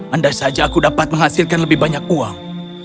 andai saja aku dapat menghasilkan lebih banyak uang